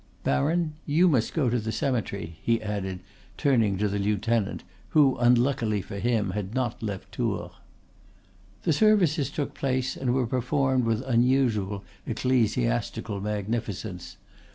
Baron, you must go to the cemetery," he added, turning to the lieutenant, who, unluckily for him, had not left Tours. The services took place, and were performed with unusual ecclesiastical magnificence.